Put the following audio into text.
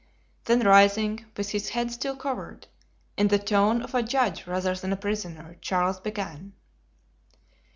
Then rising, with his head still covered, in the tone of a judge rather than a prisoner, Charles began.